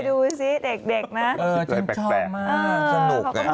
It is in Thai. ดูสิเด็กนะ